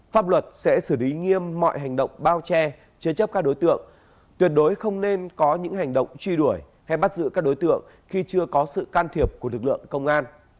pháp luật sẽ xử lý nghiêm mọi hành động bao che chế chấp các đối tượng tuyệt đối không nên có những hành động truy đuổi hay bắt giữ các đối tượng khi chưa có sự can thiệp của lực lượng công an